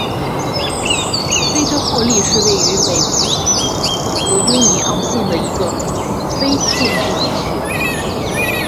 芒特霍利是位于美国阿肯色州犹尼昂县的一个非建制地区。